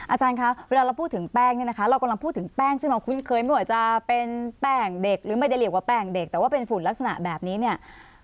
อาจารย์คะเวลาเราพูดถึงแป้งเนี่ยนะคะเรากำลังพูดถึงแป้งซึ่งเราคุ้นเคยไม่ว่าจะเป็นแป้งเด็กหรือไม่ได้เรียกว่าแป้งเด็กแต่ว่าเป็นฝุ่นลักษณะแบบนี้เนี่ย